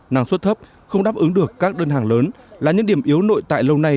năng suất thấp không đáp ứng được các đơn hàng lớn là những điểm yếu nội tại lâu nay